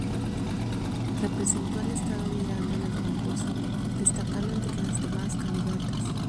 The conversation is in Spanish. Representó al estado Miranda en el concurso, destacando entre las demás candidatas.